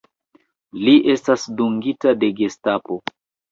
Li estas dungita de Gestapo.